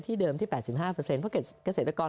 เดิมที่๘๕เพราะเกษตรกร